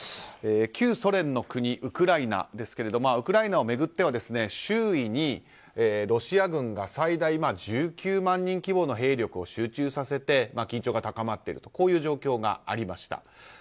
旧ソ連の国、ウクライナですけどウクライナを巡っては周囲にロシア軍が最大１９万人規模の兵力を集中させて緊張が高まっているとこういう状況がありました。